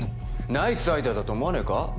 ナイスアイデアだと思わねえか？